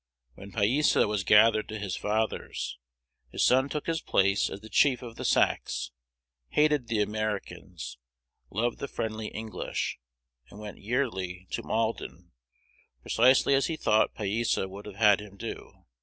When Pyesa was gathered to his fathers, his son took his place as the chief of the Sacs, hated the Americans, loved the friendly English, and went yearly to Malden, precisely as he thought Pyesa would have had him do.